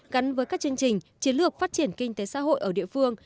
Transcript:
gắn với các chương trình chiến lược phát triển kinh tế xã hội ở địa phương